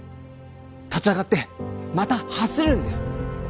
立ち上がってまた走るんです！